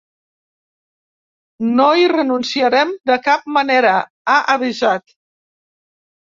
No hi renunciarem de cap manera, ha avisat.